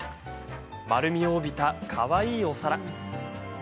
丸みを帯びた、かわいいお皿。